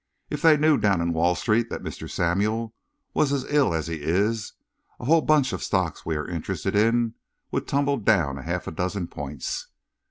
If they knew down in Wall Street that Mr. Samuel was as ill as he is, a whole bunch of stocks we are interested in would tumble down half a dozen points.